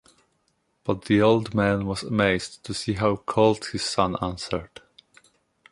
But the old man was amazed to see how cold his son answered.